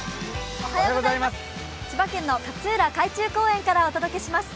千葉県の勝浦海中公園からお届けします。